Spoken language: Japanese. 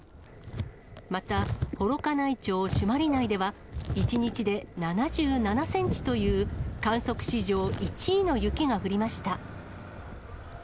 また、幌加内町朱鞠内では、１日で７７センチという、観測史上１位の雪が降りました。